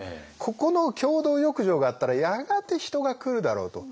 ここの共同浴場があったらやがて人が来るだろうと。